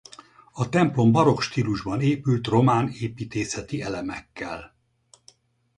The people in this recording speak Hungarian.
A templom barokk stílusban épült román építészeti elemekkel.